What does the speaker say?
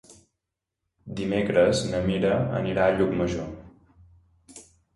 Dimecres na Mira anirà a Llucmajor.